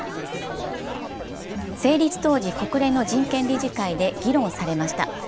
成立当時、国連の人権理事会で議論されました。